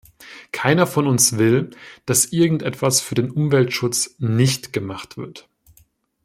Keiner von uns will, dass irgend etwas für den Umweltschutz nicht gemacht wird.